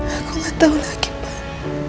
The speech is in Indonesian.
aku gak tahu lagi pak